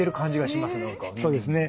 そうですね。